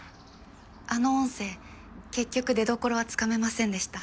あの音声結局出処は掴めませんでした。